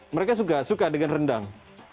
mereka suka dengan rendang